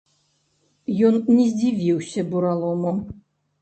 Ён не здзівіўся буралому.